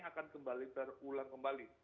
akan kembali terulang kembali